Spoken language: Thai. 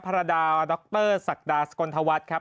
รดาดรศักดาสกลธวัฒน์ครับ